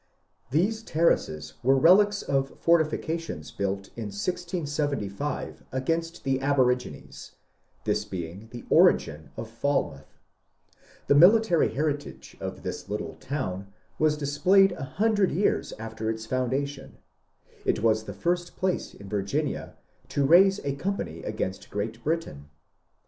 These terraces were relics of fortifications built in 1675 against the aborigines, this being the origin of Falmouth, llie military heritage of the little town was displayed a hun dred years after its foundation ; it was the first place in Vir ginia to raise a company against Great Britain.